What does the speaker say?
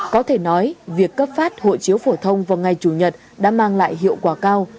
có thể nói việc cấp phát hộ chiếu phổ thông vào ngày chủ nhật đã mang lại hiệu quả cao